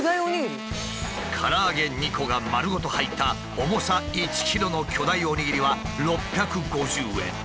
から揚げ２個が丸ごと入った重さ１ｋｇの巨大おにぎりは６５０円。